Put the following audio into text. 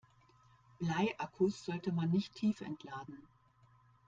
Bleiakkus sollte man nicht tiefentladen.